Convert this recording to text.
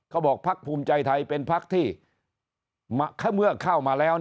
พักภูมิใจไทยเป็นพักที่เมื่อเข้ามาแล้ว